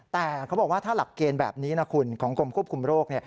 แต่เขาบอกว่าถ้าหลักเกณฑ์แบบนี้นะคุณของกรมควบคุมโรค